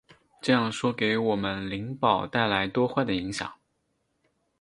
这样说给我们灵宝带来多坏的影响！